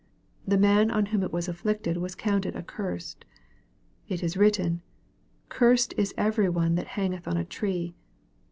The man on whom it was inflicted was countel accursed. It is written, "Cursed is every one that hangeth on a tree."